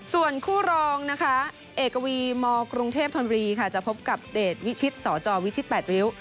ส่วนคู่รองนะคะเอกวีมกรุงเทพธนบุรีค่ะจะพบกับเดชวิชิตสจวิชิต๘ริ้ว